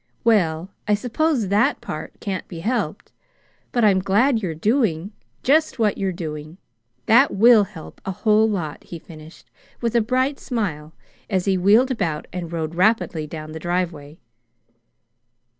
"Well, I suppose that part can't be helped. But I'm glad you're doing just what you are doing. That WILL help a whole lot," he finished with a bright smile, as he wheeled about and rode rapidly down the driveway.